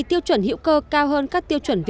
tiêu chuẩn hữu cơ cao hơn các tiêu chuẩn